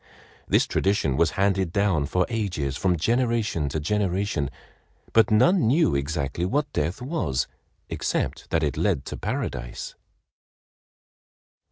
This tradition was handed down for ages from generation to generation—but none knew exactly what death was except that it led to Paradise.